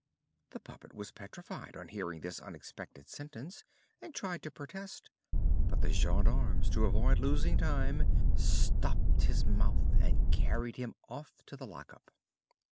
The puppet was petrified on hearing this unexpected sentence and tried to protest; but the gendarmes, to avoid losing time, stopped his mouth and carried him off to the lockup.